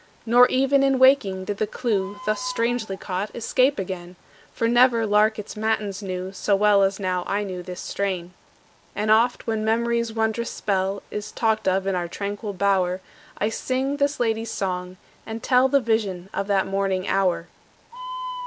Nor even in waking did the clew, Thus strangely caught, escape again; For never lark its matins knew So well as now I knew this strain. And oft when memory's wondrous spell Is talked of in our tranquil bower, I sing this lady's song, and tell The vision of that morning hour.